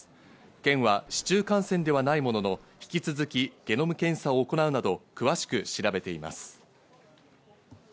県は市中感染ではないものの引き続きゲノム検査を行うなど詳しく調べています。